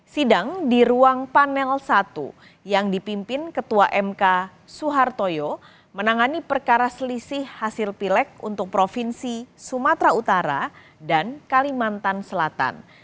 sidang di ruang panel satu yang dipimpin ketua mk suhartoyo menangani perkara selisih hasil pilek untuk provinsi sumatera utara dan kalimantan selatan